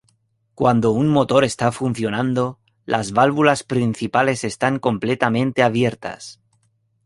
Cuando un motor está funcionando, las válvulas principales están completamente abiertas.